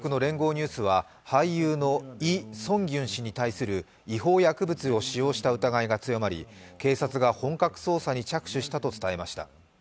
ニュースは俳優のイ・ソンギュン氏に対する違法薬物を使用した疑いが強まり警察が本格捜査に着手したと伝えました。